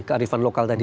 kearifan lokal tadi